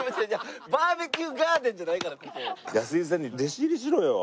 安井さんに弟子入りしろよ。